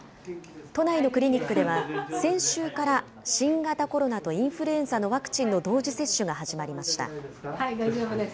都内のクリニックでは、先週から新型コロナとインフルエンザのワクチンの同時接種が始まりました。